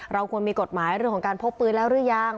ควรมีกฎหมายเรื่องของการพกปืนแล้วหรือยัง